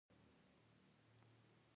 هغه خو بیا نور طالب نه دی